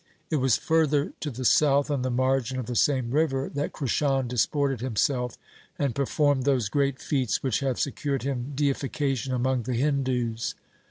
It was further to the south, on the margin of the same river, that Krishan disported himself and performed those great feats which have secured him deification among the Hindus.